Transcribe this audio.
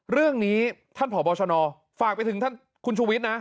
เรื่องนี้ท่านผอบชนฝากไปถึงท่านคุณชูวิทย์นะ